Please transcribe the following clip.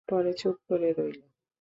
পড়ে চুপ করে রইল।